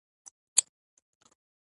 د میوو ورکول صدقه ده.